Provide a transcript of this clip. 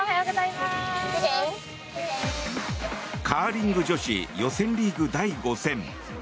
カーリング女子予選リーグ第５戦。